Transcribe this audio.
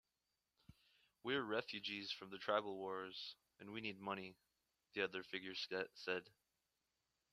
"We're refugees from the tribal wars, and we need money," the other figure said.